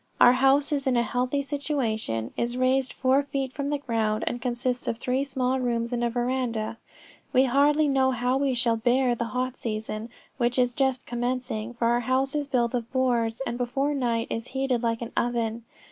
Our house is in a healthy situation, is raised four feet from the ground, and consists of three small rooms and a verandah. We hardly know how we shall bear the hot season which is just commencing, for our house is built of boards, and before night is heated like an oven.